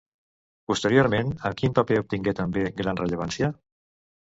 Posteriorment, amb quin paper obtingué també gran rellevància?